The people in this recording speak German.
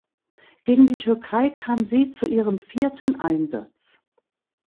Gegen die Türkei kam sie zu ihrem vierten Einsatz.